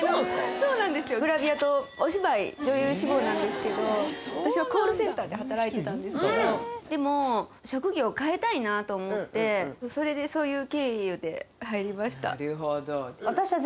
そうなんですよグラビアとお芝居女優志望なんですけど私はコールセンターで働いてたんですけどでも職業変えたいなと思ってそれでそういう経由で入りました